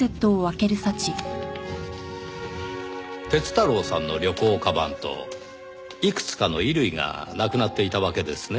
鐵太郎さんの旅行鞄といくつかの衣類がなくなっていたわけですね？